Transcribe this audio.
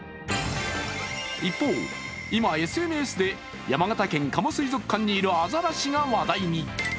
一方、今、ＳＮＳで山形県・加茂水族館にいるアザラシが話題に。